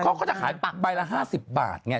เขาก็จะขายใบละ๕๐บาทไง